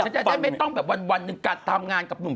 จะได้ไม่ต้องแบบวันหนึ่งการทำงานกับหนุ่ม